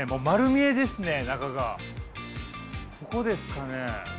ここですかね？